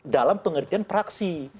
dalam pengertian praksi